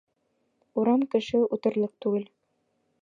Урам кеше үтерлек түгел.